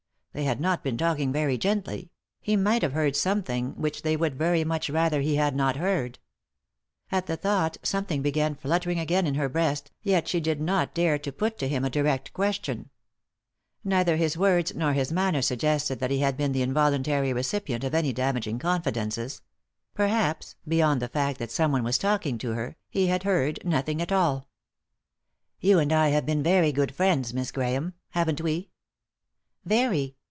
They had not been talk ing very gently ; he might have heard something which they would very much rather he had not heard. At the thought something began fluttering again in her breast, 79 3i 9 iii^d by Google THE INTERRUPTED KISS yet she did not dare to put to him a direct question. Neither his words nor his manner suggested that he had been the involuntary recipient of any damaging confi dences ; perhaps, beyond the tact that someone was talking to her, he had heard nothing at all. " You and I have been good friends, Miss Grahame, haven't we ?" "Very."